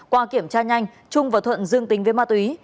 qua kiểm tra nhanh trung và thuận dương tính với ma túy